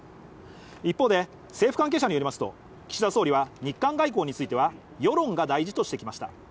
一方で政府関係者によりますと岸田総理は日韓外交については世論が大事としてきました。